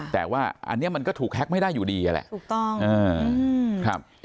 แต่ว่าอันนี้มันก็ถูกแฮ็กไม่ได้อยู่ดีแหละถูกต้อง